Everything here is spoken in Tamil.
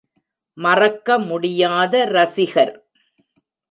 மறக்க முடியாத இரசிகர்!